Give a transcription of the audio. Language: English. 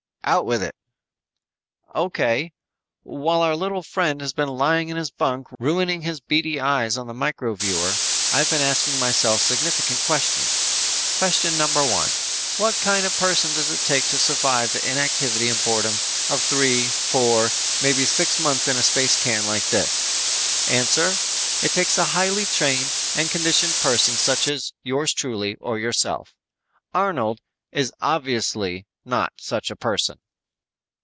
"Out with it." "O.K. While our little friend has been lying on his bunk ruining his beady eyes on the micro viewer, I've been asking myself significant questions. Question number one: What kind of person does it take to survive the inactivity and boredom of three, four, maybe six months in a space can like this? Answer: It takes a highly trained and conditioned person such as yours truly or yourself. Arnold is obviously not such a person."